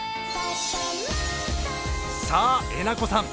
さあ、えなこさん